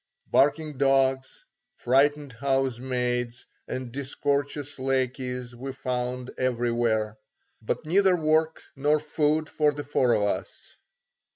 Barking dogs, frightened house maids and discourteous lackeys we found everywhere, but neither work nor food for the four of us.